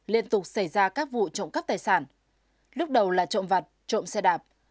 liên tục xảy ra các vụ trộm cắp tài sản lúc đầu là trộm vặt trộm xe đạp